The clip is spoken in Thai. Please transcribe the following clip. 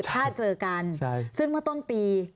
ถ้าเจอกันซึ่งเมื่อต้นปี